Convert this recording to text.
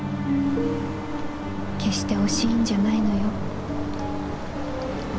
決して惜しいんじゃないのよ